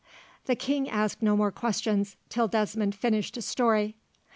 The king asked no more questions, until Desmond finished his story.